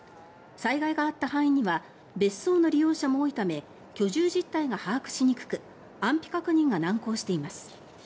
災害があった範囲には別荘の利用者も多いため居住実態が把握しにくく安否確認が難航しています。